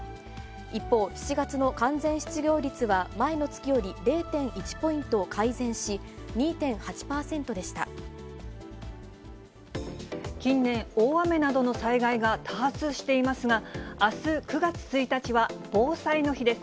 一方、７月の完全失業率は前の月より０．１ポイント改善し、２．８％で近年、大雨などの災害が多発していますが、あす９月１日は防災の日です。